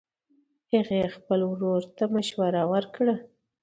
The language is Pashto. هغې خپل ورور ته مشوره ورکړه